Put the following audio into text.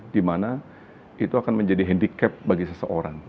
di mana itu akan menjadi handicap bagi seseorang